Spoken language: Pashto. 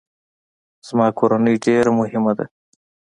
زما کورنۍ ډیره مهمه ده